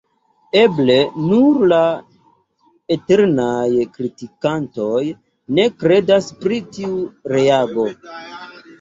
Eble nur la eternaj kritikantoj ne kredas pri tiu reago.